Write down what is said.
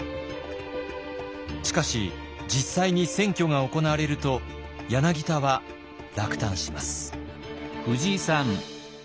しかし実際に選挙が行われると柳田は落胆します。